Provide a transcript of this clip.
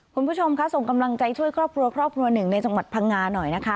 คุณผู้ชมคะส่งกำลังใจช่วยครอบครัวครอบครัวหนึ่งในจังหวัดพังงาหน่อยนะคะ